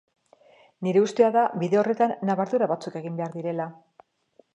Nire ustea da bide horretan nabardura batzuk egin behar direla.